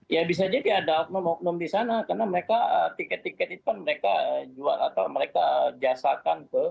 ya bisa jadi ada oknum oknum di sana karena mereka tiket tiket itu mereka jasakan ke